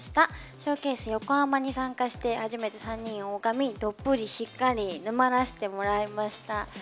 ショーケース横浜に参加して初めて３人を拝みどっぷり、しっかり沼らせてもらいました。